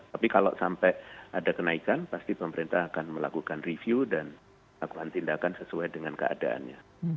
tapi kalau sampai ada kenaikan pasti pemerintah akan melakukan review dan lakukan tindakan sesuai dengan keadaannya